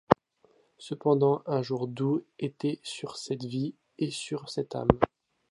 Cependant un jour doux était sur cette vie et sur cette âme.